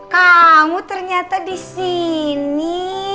kamu ternyata disini